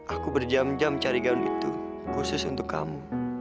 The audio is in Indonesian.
aku berjam jam cari gaun itu khusus untuk kamu